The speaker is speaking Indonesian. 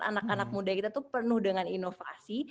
anak anak muda kita itu penuh dengan inovasi